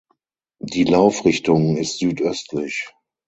Die Laufrichtung ist südöstlich.